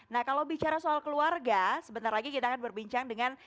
nah kalau bicara soal keluarga sebentar lagi kita akan berbincang dengan